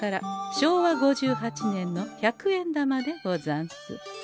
昭和５８年の百円玉でござんす。